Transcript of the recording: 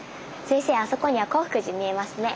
先生あそこには興福寺見えますね。